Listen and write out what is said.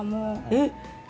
えっ！